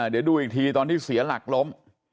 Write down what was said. เดี๋ยวดูอีกทีตอนที่เสียหลักล้ม